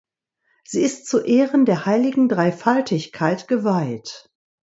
Sie ist zu Ehren der heiligen Dreifaltigkeit geweiht.